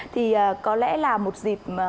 thì có lẽ là một dịp